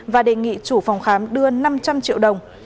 và đề nghị chủ phòng khám đưa năm trăm linh triệu đồng